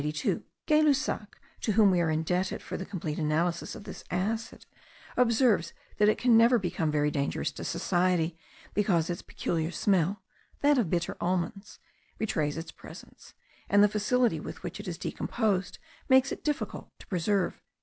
Gay Lussac (to whom we are indebted for the complete analysis of this acid) observes that it can never become very dangerous to society, because its peculiar smell (that of bitter almonds) betrays its presence, and the facility with which it is decomposed makes it difficult to preserve.)